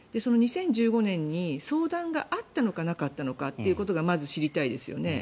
２０１５年に相談があったのかなかったのかということがまず知りたいですよね。